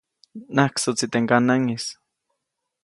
Najksuʼtsi teʼ ŋganaŋʼis.